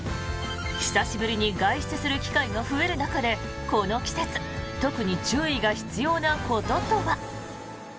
久しぶりに外出する機会が増える中でこの季節特に注意が必要なこととは。